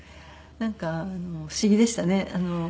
なんか不思議でしたね。